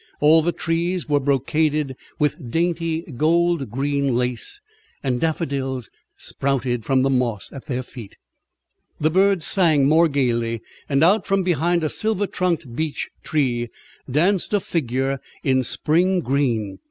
All the trees were brocaded with dainty, gold green lace, and daffodils sprouted from the moss at their feet. The birds sang more gaily, and out from behind a silver trunked beech tree danced a figure in spring green.